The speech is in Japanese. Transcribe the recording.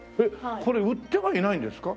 これ売ってはいないんですか？